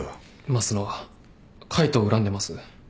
益野は海藤を恨んでます。